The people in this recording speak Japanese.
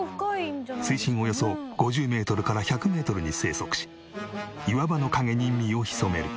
水深およそ５０メートルから１００メートルに生息し岩場の影に身を潜める。